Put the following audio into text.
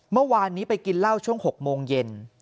เมื่อวานนี้ไปกินเหล้าช่วง๖โมงเย็น